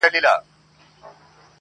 له خپله سیوري خلک ویریږي-